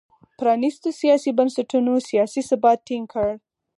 پرانیستو سیاسي بنسټونو سیاسي ثبات ټینګ کړ.